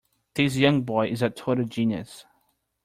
This young boy is a total genius.